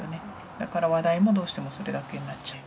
だから話題もどうしてもそれだけになっちゃう。